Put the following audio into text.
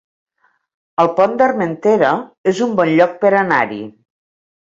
El Pont d'Armentera es un bon lloc per anar-hi